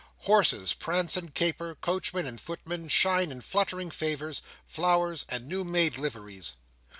Horses prance and caper; coachmen and footmen shine in fluttering favours, flowers, and new made liveries.